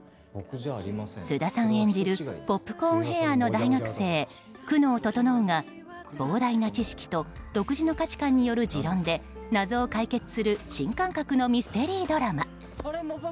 菅田さん演じるポップコーンヘアの大学生久能整が膨大な知識と独自の価値観による持論で謎を解決する新感覚のミステリードラマ。